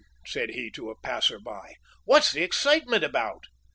said he, to a passer by. "What's the excitement about?"